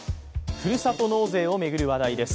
ふるさと納税を巡る話題です。